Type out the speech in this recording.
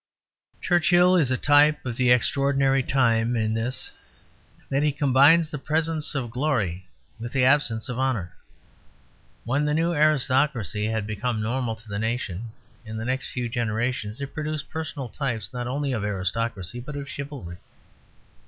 Churchill is a type of the extraordinary time in this, that he combines the presence of glory with the absence of honour. When the new aristocracy had become normal to the nation, in the next few generations, it produced personal types not only of aristocracy but of chivalry.